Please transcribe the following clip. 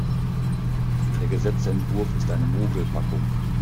Der Gesetzesentwurf ist eine Mogelpackung.